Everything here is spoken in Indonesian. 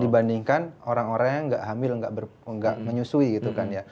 dibandingkan orang orang yang nggak hamil nggak menyusui gitu kan ya